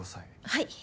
はい。